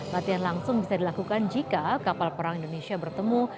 latihan langsung bisa dilakukan jika kapal perang indonesia bertemu